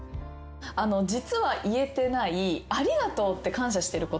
実は言えてないありがとうって感謝してることありますか？